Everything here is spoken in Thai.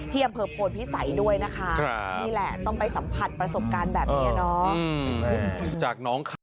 อำเภอโพนพิสัยด้วยนะคะนี่แหละต้องไปสัมผัสประสบการณ์แบบนี้เนาะ